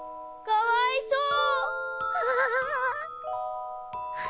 かわいそう！